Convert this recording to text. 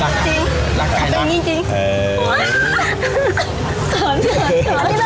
ระคายนะ